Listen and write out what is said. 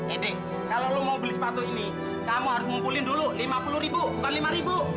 edek kalau lo mau beli sepatu ini kamu harus ngumpulin dulu lima puluh ribu bukan lima ribu